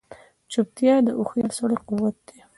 چوپتیا، د هوښیار سړي قوت دی.